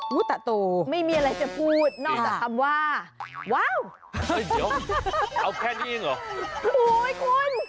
เฮ้ยเดี๋ยวเอาแค่นี้ยังเหรอ